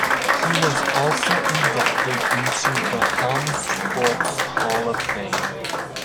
He was also inducted into the Helms Sports Hall of Fame.